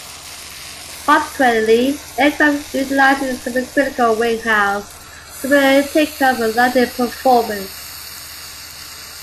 Consequently, aircraft utilizing a supercritical wing have superior takeoff and landing performance.